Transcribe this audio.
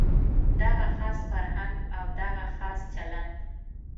دغه خاص فرهنګ او دغه خاص چلند.